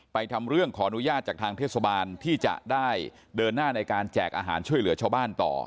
ทำเรื่องขออนุญาตจากทางเทศบาลที่จะได้เดินหน้าในการแจกอาหารช่วยเหลือชาวบ้านต่อ